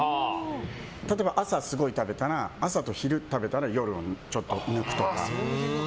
例えば、朝すごい食べたら朝と昼食べたら夜をちょっと抜くとか。